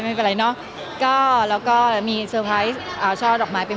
ไม่เป็นไรเนาะก็แล้วมีเซิฟไพรซ์ช่อด๊อกไม้ไป